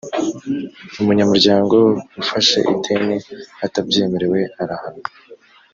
umunyamuryango ufashe ideni atabyemerewe, arahanwa